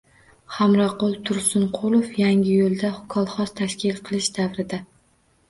Xamroqul Tursunqulov Yangiyo’lda kolxoz tashkil qilish davrida